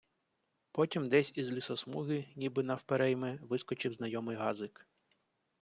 Потім десь із лісосмуги, ніби навперейми, вискочив знайомий газик.